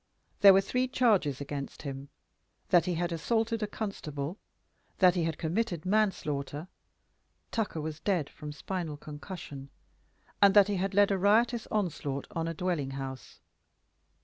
There were three charges against him: that he had assaulted a constable, that he had committed manslaughter (Tucker was dead from spinal concussion), and that he had led a riotous onslaught on a dwelling house.